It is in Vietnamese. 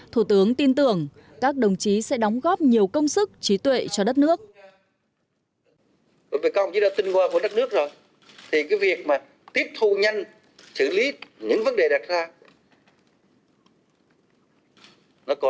thủ tướng tin tưởng các đồng chí sẽ đóng góp nhiều công sức trí tuệ cho đất nước